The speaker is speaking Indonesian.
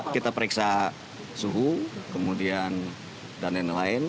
kita periksa suhu kemudian dan lain lain